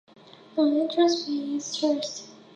An entrance fee is charged.